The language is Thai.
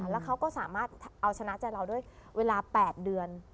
แล้วเขาก็สามารถเอาชนะใจเราด้วยเวลา๘เดือน